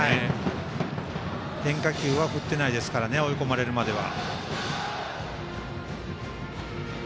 変化球は振ってないですから追い込まれるまでは。